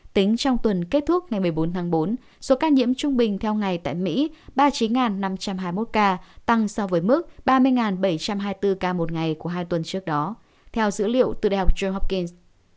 tính trong tuần kết thúc ngày một mươi bốn tháng bốn số ca nhiễm trung bình theo ngày tại mỹ ba mươi chín năm trăm hai mươi một ca tăng so với mức ba mươi bảy trăm hai mươi bốn ca một ngày của hai tuần trước đó theo dữ liệu từ đại học john hocklin